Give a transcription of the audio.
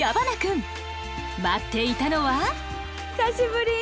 待っていたのは久しぶり！